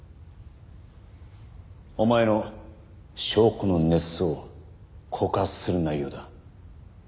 お前の証拠の捏造を告発する内容だ。